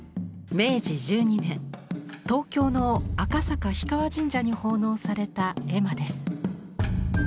明治１２年東京の赤坂氷川神社に奉納された絵馬です。